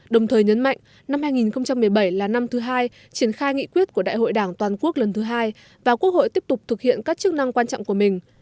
đồng thời nhấn mạnh năm hai nghìn một mươi bảy là năm thứ hai triển khai nghị quyết của đại hội đảng toàn quốc lần thứ hai và quốc hội tiếp tục thực hiện các chức năng quan trọng của mình